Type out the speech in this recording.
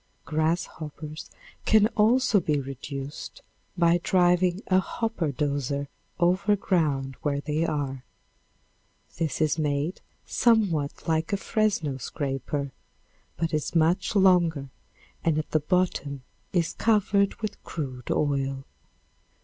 Grasshoppers can also be reduced by driving a "hopper doser" over ground where they are. This is made somewhat like a Fresno scraper, but is much longer and the bottom is covered with crude oil.